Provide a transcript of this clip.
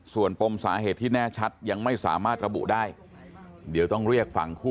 ส่วนปมสาเหตุที่แน่ชัดยังไม่สามารถระบุได้